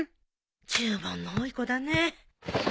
注文の多い子だね。